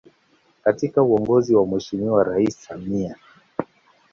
Katika uongozi wa Mheshimiwa Rais Samia